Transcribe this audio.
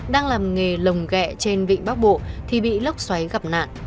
đang làm nghề lồng ghẹ trên vịnh bắc bộ thì bị lốc xoáy gặp nạn